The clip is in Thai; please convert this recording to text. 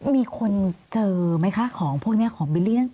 มีควรเจอไหมคะของพวกนี้ของเปะเลี้ยง